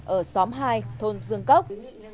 ở xóm hai thôn dương cốc